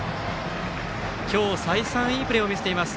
今日再三いいプレーを見せています